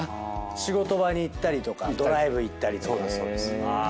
仕事場に行ったりとかドライブ行ったりとか。